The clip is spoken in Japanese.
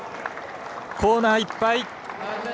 コーナーいっぱい！